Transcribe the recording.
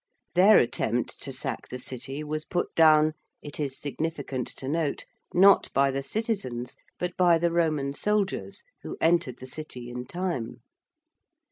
Their attempt to sack the City was put down, it is significant to note, not by the citizens but by the Roman soldiers who entered the City in time.